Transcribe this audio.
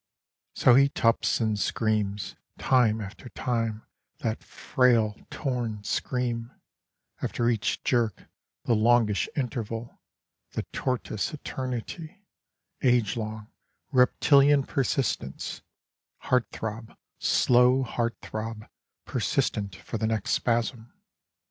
So he tups, and screams Time after time that frail, torn scream After each jerk, the longish interval, The tortoise eternity, Agelong, reptilian persistence, Heart throb, slow heart throb, persistent for the next spasm.